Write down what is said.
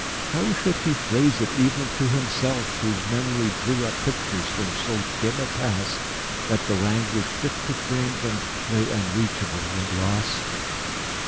How should he phrase it even to himself, whose memory drew up pictures from so dim a past that the language fit to frame them lay unreachable and lost?